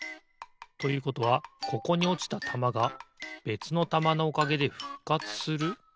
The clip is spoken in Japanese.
ということはここにおちたたまがべつのたまのおかげでふっかつする？